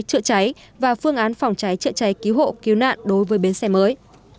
trợ cháy và phương án phòng cháy trợ cháy cứu hộ cứu nạn đối với bến xe mới